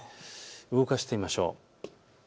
動かしてみましょう。